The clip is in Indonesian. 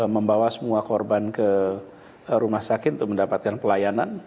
membawa semua korban ke rumah sakit untuk mendapatkan pelayanan